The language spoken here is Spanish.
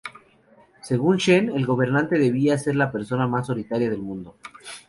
Según Shen, el gobernante debía ser la persona más solitaria del mundo.